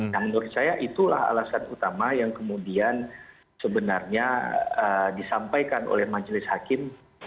nah menurut saya itulah alasan utama yang kemudian sebenarnya disampaikan oleh majelis hakim